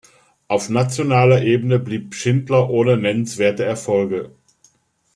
Auf nationaler Ebene blieb Schindler ohne nennenswerte Erfolge.